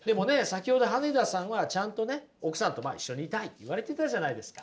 先ほど羽根田さんはちゃんとね「奥さんと一緒にいたい」って言われてたじゃないですか。